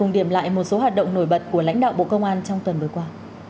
đây là một số hoạt động nổi bật của lãnh đạo bộ công an trong tuần vừa qua